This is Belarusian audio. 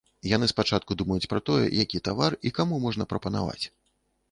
Яны спачатку думаюць пра тое, які тавар і каму можна прапанаваць.